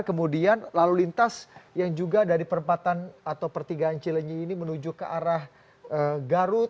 kemudian lalu lintas yang juga dari perempatan atau pertigaan cilenyi ini menuju ke arah garut